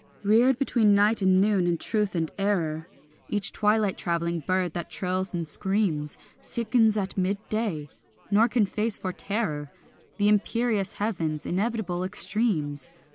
Reared between night and noon and truth and error, Each twilight travelling bird that trills and screams Sickens at midday, nor can face for terror The imperious heaven's inevitable extremes.